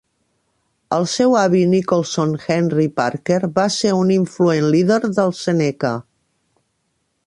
El seu avi Nicholson Henry Parker va ser un influent líder dels seneca.